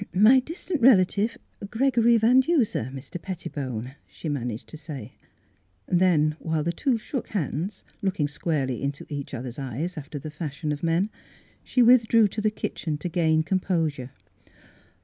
" My distant relative, Gregory Van Duser, Mr. Pettibone," she managed to say. Then while the two shook hands, looking squarely into each other's eyes after the fashion of men, she withdrew to the kitchen to gain composure.